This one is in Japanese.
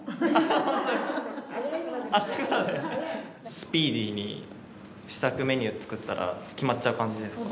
スピーディーに試作メニュー作ったら決まっちゃう感じですか？